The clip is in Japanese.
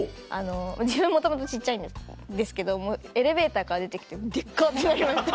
自分もともと小っちゃいんですけどもエレベーターから出て来てデッカ！ってなりました。